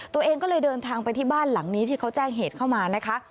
ตัวเองก็เลยเดินทางไปที่บ้านหลังนี้ที่เขาแจ้งเหตุเข้ามานะคะ